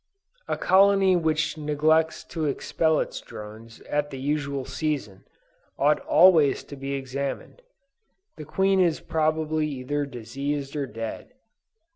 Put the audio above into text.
A colony which neglects to expel its drones at the usual season, ought always to be examined. The queen is probably either diseased or dead.